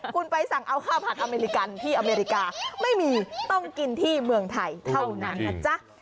คุณไปสั่งเอาข้าวผัดอเมริกันที่อเมริกาไม่มีต้องกินที่เมืองไทยเท่านั้นนะจ๊ะ